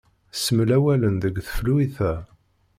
Smel awalen deg teflwit-a.